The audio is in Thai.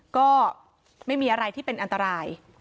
ก็ไม่มีอะไรที่เป็นอันตราย